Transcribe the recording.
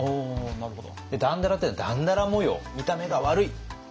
なるほど。